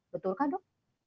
betul kah dok